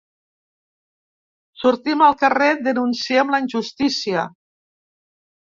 Sortim al carrer, denunciem la injustícia!